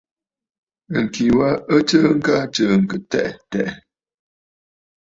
Ŋ̀kì wa ɨ t;sɨɨkə aa tsɨ̀ɨ̀ŋkə̀ tɛʼɛ̀ tɛ̀ʼɛ̀.